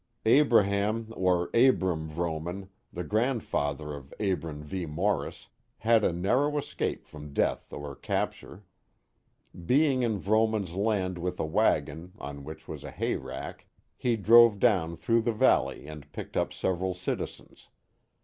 Abraham or Abram Vrooman, the grandfatlier of Abram V. Morris, had a narrow escape from death or capture. Be ing in Vrooman's land with a wagon, on which was a hay rack, he drove down through the valley and picked up several citi zens.